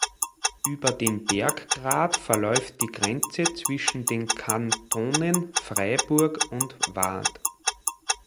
Über den Berggrat verläuft die Grenze zwischen den Kantonen Freiburg und Waadt.